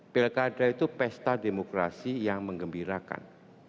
pilkada itu pesta demokrasi yang mengembirakan